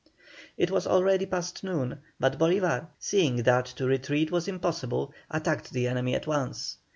It was already past noon, but Bolívar seeing that to retreat was impossible, attacked the enemy at once.